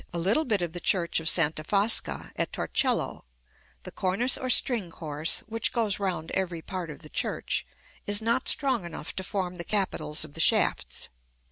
a little bit of the church of Santa Fosca at Torcello, the cornice or string course, which goes round every part of the church, is not strong enough to form the capitals of the shafts.